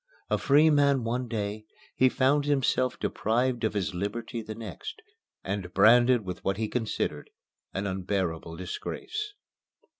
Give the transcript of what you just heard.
A free man one day, he found himself deprived of his liberty the next, and branded with what he considered an unbearable disgrace.